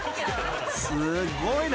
［すごいな。